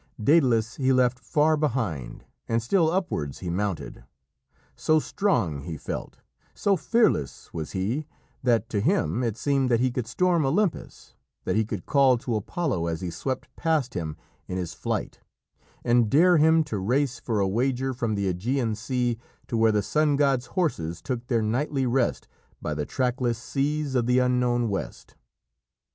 Dædalus he left far behind, and still upwards he mounted. So strong he felt, so fearless was he, that to him it seemed that he could storm Olympus, that he could call to Apollo as he swept past him in his flight, and dare him to race for a wager from the Ægean Sea to where the sun god's horses took their nightly rest by the trackless seas of the unknown West.